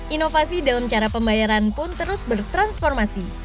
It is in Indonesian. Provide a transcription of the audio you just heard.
inovasi dalam cara pembayaran pun terus bertransformasi